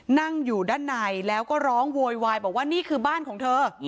นั่งอยู่ด้านในแล้วก็ร้องโวยวายบอกว่านี่คือบ้านของเธอ